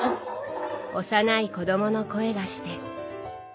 幼い子どもの声がして。